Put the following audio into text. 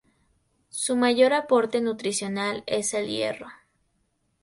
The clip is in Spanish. Su mayor aporte nutricional es el hierro.